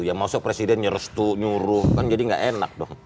yang masuk presiden nyerestu nyuruh kan jadi gak enak dong